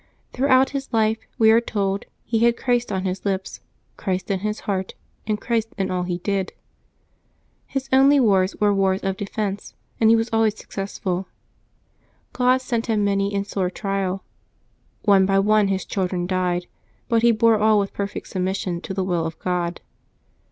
Throughout his life, we are told, he had Christ on his lips, Christ in his heart, and Christ in all he did. His only wars were wars of defence,, and he was alwa3^s successful. God sent him many and sore trials. One by one his children died, but he bore all with perfect submission to the will of God.